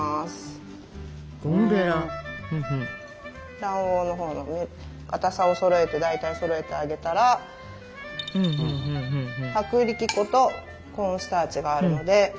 卵黄のほうにかたさをそろえて大体そろえてあげたら薄力粉とコーンスターチがあるので。